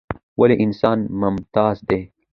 ولې انسان ممتاز دى؟